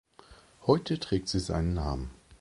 Heute trägt sie seinen Namen.